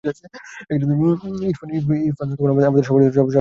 ইরফান আমাদের সবারই জীবনে কিছু উদ্দেশ্য থাকে।